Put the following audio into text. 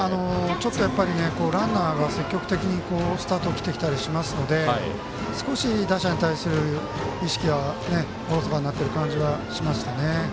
ちょっと、ランナーが積極的にスタートを切ってきたりしますので少し打者に対する意識がおろそかになっている感じはしましたね。